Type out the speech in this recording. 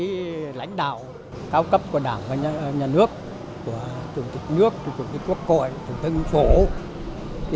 các đồng chí lãnh đạo cao cấp của đảng và nhà nước của chủ tịch nước của chủ tịch quốc hội của thân phổ